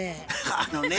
あのね